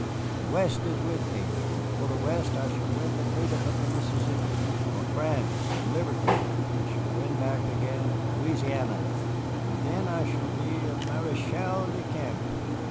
The West is with me, and for the West I shall win the freedom of the Mississippi. For France and Liberty I shall win back again Louisiana, and then I shall be a Maréchal de Camp."